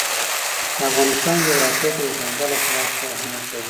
د افغانستان جغرافیه کې دځنګل حاصلات ستر اهمیت لري.